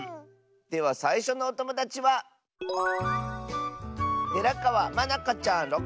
ではさいしょのおともだちはまなかちゃんの。